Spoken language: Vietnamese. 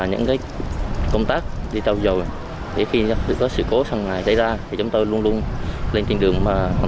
những công tác đi trao dồi khi có sự cố sáng ngày xảy ra thì chúng tôi luôn luôn lên trên đường hoàn